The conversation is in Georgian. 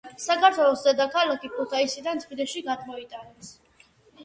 საქართველოს დედაქალაქი ქუთაისიდან თბილისში გადმოიტანეს.